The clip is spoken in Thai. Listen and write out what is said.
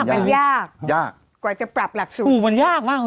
มันยากมากของเขามันเป็นอย่างไรจะปรับหลักศูนย์